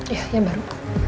iya yang baru